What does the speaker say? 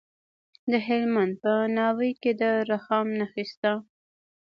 د هلمند په ناوې کې د رخام نښې شته.